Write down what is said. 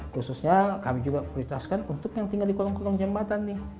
khususnya kami juga prioritaskan untuk yang tinggal di kolong kolong jembatan nih